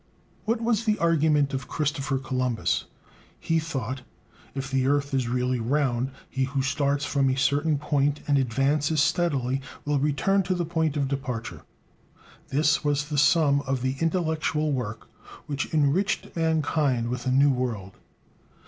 What was the argument of Christopher Columbus? He thought: "If the earth is really round, he who starts from a certain point and advances steadily, will return to the point of departure." This was the sum of the intellectual work which enriched mankind with a new world.